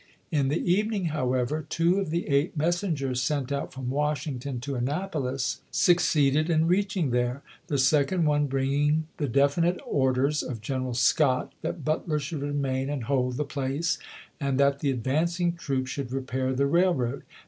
In the evening, however, two of the eight messengers sent out from Wash ington to Annapolis succeeded in reaching there, the second one bringing the definite orders of Gen eral Scott that Butler should remain and hold the place, and that the advancing troops should repair the railroad.